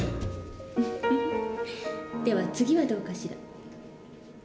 フフフッでは次はどうかしら？